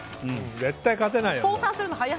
絶対勝てないよ。